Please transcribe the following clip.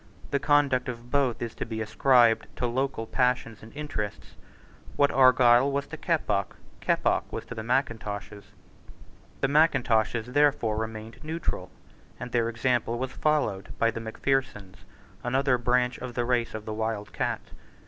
The conduct of both is to be ascribed to local passions and interests. What Argyle was to Keppoch, Keppoch was to the Mackintoshes. The Mackintoshes therefore remained neutral; and their example was followed by the Macphersons, another branch of the race of the wild cat.